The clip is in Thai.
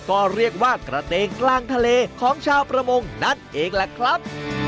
ก็เรียกว่ากระเตงกลางทะเลของชาวประมงนั่นเองแหละครับ